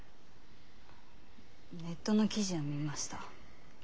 ネットの記事は見ました。